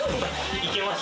いけます？